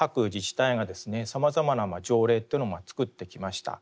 さまざまな条例というのを作ってきました。